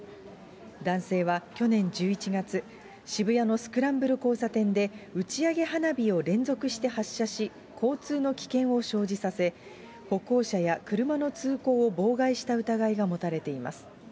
男性は去年１１月、渋谷のスクランブル交差点で打ち上げ花火を連続して発射し、交通の危険を生じさせ、歩行者や車の通行を妨害した疑いが持たれています。